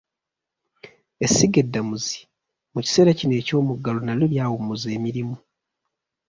Essiga eddamuzi mu kiseera kino eky'omuggalo n’alyo lyawummuza emirimu.